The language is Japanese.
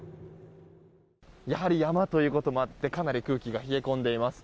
山ということもあってかなり空気が冷え込んでいます。